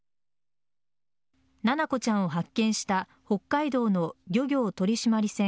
七菜子ちゃんを発見した北海道の漁業取締船